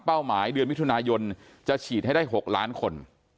หมายเดือนมิถุนายนจะฉีดให้ได้๖ล้านคน